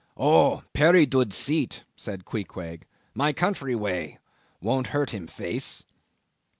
"Oh! perry dood seat," said Queequeg, "my country way; won't hurt him face."